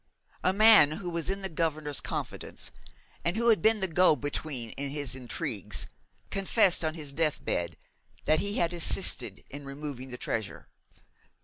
A man who was in the Governor's confidence, and who had been the go between in his intrigues, confessed on his death bed that he had assisted in removing the treasure.